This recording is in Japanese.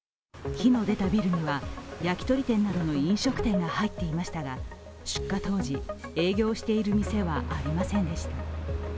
火の出たビルには焼き鳥店などの飲食店が入っていましたが出火当時、営業している店はありませんでした。